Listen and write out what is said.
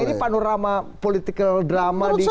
selama ini panorama politik drama di kita